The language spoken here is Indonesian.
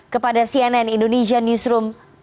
kepada cnn indonesian newsroom